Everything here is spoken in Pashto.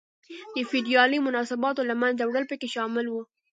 د فیوډالي مناسباتو له منځه وړل پکې شامل و.